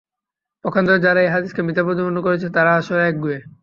পক্ষান্তরে যারা এ হাদীসকে মিথ্যা প্রতিপন্ন করেছে, তারা আসলে একগুঁয়ে।